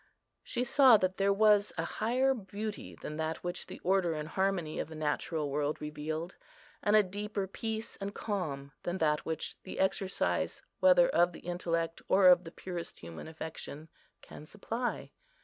She saw that there was a higher beauty than that which the order and harmony of the natural world revealed, and a deeper peace and calm than that which the exercise, whether of the intellect or of the purest human affection, can supply.